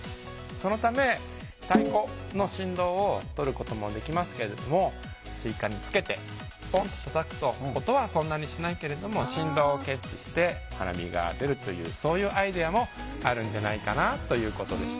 そのため太鼓の振動をとることもできますけれどもスイカにつけてポンとたたくと音はそんなにしないけれども振動を検知して花火が出るというそういうアイデアもあるんじゃないかなということでした。